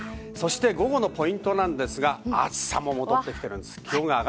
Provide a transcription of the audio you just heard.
午後のポイントは暑さも戻ってきているんです。